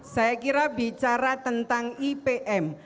saya kira bicara tentang ipm